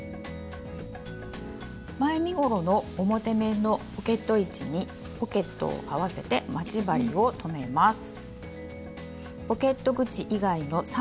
前身ごろの表面のポケット位置にポケットを合わせて待ち針を留めます。